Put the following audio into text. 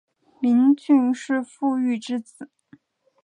明俊是傅玉之子。